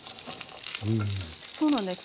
そうなんです。